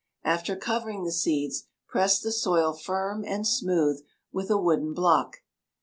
After covering the seeds, press the soil firm and smooth with a wooden block.